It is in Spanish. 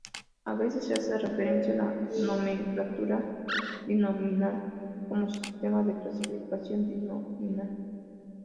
A veces se hace referencia a la nomenclatura binominal como "sistema de clasificación binominal".